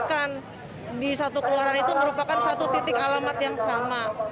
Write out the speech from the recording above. bahkan di satu keluaran itu merupakan satu titik alamat yang sama